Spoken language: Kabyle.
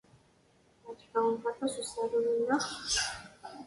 Yeɛjeb-awent aṭas usaru-nni, naɣ?